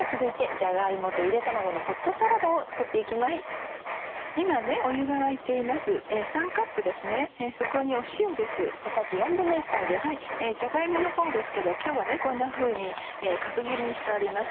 じゃが芋のほうですけど今日はこんなふうに角切りにしてあります。